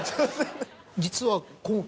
実は今回。